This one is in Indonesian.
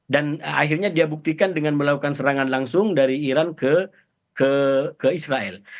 dan akhirnya dia buktikan dengan melakukan serangan langsung dari iran ke israel